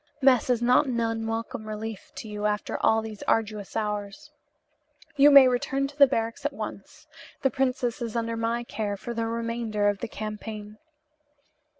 Mess is not an unwelcome relief to you after all these arduous hours. You may return to the barracks at once. The princess is under my care for the remainder of the campaign."